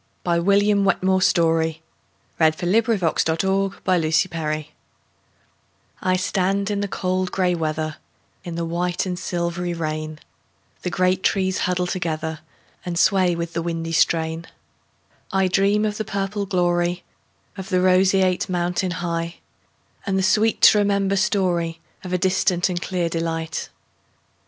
1912. William Wetmore Story 1819–1895 William Wetmore Story 123 In the Rain I STAND in the cold gray weather, In the white and silvery rain; The great trees huddle together, And sway with the windy strain.I dream of the purple gloryOf the roseate mountain heightAnd the sweet to remember storyOf a distant and clear delight.